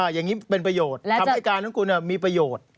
อย่างนี้เป็นประโยชน์คำให้การของคุณมีประโยชน์